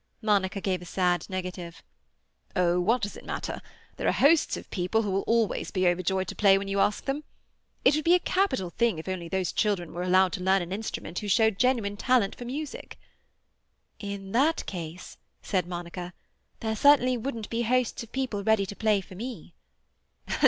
Monica gave a sad negative. "Oh, what does it matter? There are hosts of people who will always be overjoyed to play when you ask them. It would be a capital thing if only those children were allowed to learn an instrument who showed genuine talent for music." "In that case," said Monica, "there certainly wouldn't be hosts of people ready to play for me."